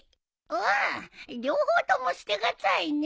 うーん両方とも捨てがたいね。